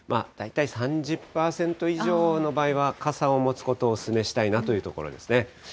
大体３０％以上の場合は、傘を持つことをお勧めしたいなというところですね。